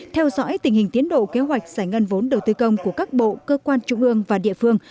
theo dõi tình hình tiến độ kế hoạch giải ngân vốn đầu tư công của các bộ cơ quan trung ương và địa phương